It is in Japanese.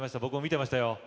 僕も見てましたよ。